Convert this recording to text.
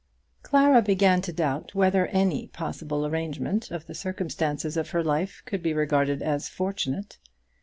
Clara began to doubt whether any possible arrangement of the circumstances of her life could be regarded as fortunate.